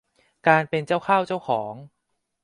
การเป็นเจ้าเข้าเจ้าของ